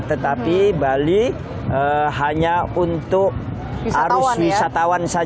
tetapi bali hanya untuk arus wisatawan